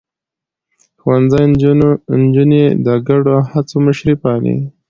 ښوونځی نجونې د ګډو هڅو مشري پالي.